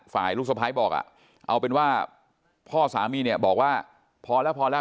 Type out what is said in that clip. ลูกสะพ้ายบอกอ่ะเอาเป็นว่าพ่อสามีเนี่ยบอกว่าพอแล้วพอแล้ว